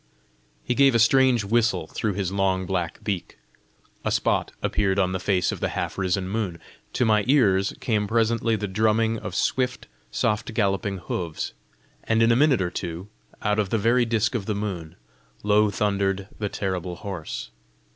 He gave a strange whistle through his long black beak. A spot appeared on the face of the half risen moon. To my ears came presently the drumming of swift, soft galloping hoofs, and in a minute or two, out of the very disc of the moon, low thundered the terrible horse.